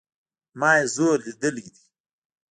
ما ئې زور ليدلى دئ